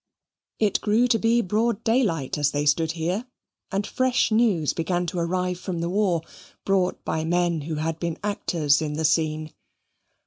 It grew to be broad daylight as they stood here, and fresh news began to arrive from the war, brought by men who had been actors in the scene.